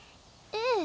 ええ。